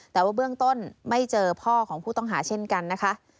แต่ว่าเบื้องต้นไม่เจอพ่อของผู้ต้องหาเช่นกันนะคะ